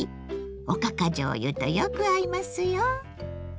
おかかじょうゆとよく合いますよ。